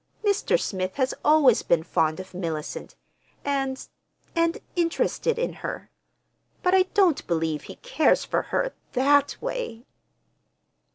"Mr. Smith has always been fond of Mellicent, and—and interested in her. But I don't believe he cares for her—that way."